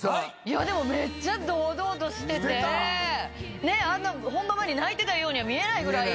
でもめっちゃ堂々としててあんな本番前に泣いてたようには見えないぐらい。